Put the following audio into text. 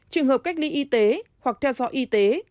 trường hợp cách ly y tế hoặc theo dõi y tế